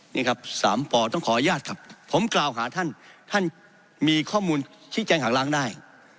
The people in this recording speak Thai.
นี่ครับสามป่อต้องขออนุญาตครับผมกล่าวหาท่านท่านมีข้อมูลชี้แจงหาล้างได้